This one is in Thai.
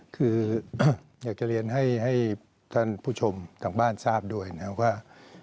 คืออยากจะเรียนให้ท่านผู้ชมทางบ้านทราบด้วยนะครับว่า